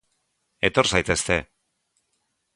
Etor zaitezte.